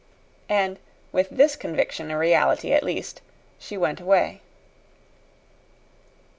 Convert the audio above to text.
And, with this conviction a reality at least, she went away.